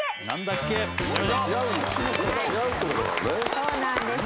そうなんです。